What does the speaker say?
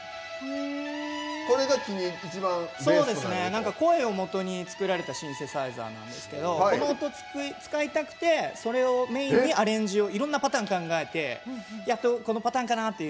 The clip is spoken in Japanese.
何か声をもとに作られたシンセサイザーなんですけどこの音使いたくてそれをメインにアレンジをいろんなパターン考えてやっとこのパターンかなっていうパターンで。